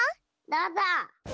どうぞ！